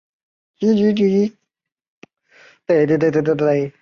告别式后发引安厝于台北碧潭空军烈士公墓。